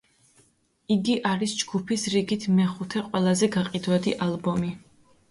იგი არის ჯგუფის რიგით მეხუთე ყველაზე გაყიდვადი ალბომი.